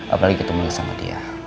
apalagi ketemu sama dia